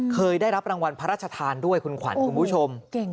เคยได้รับรางวัลพระราชทานด้วยคุณขวัญคุณผู้ชม